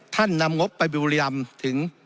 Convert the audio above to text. ท่านนำงบไปบิวรีรำถึง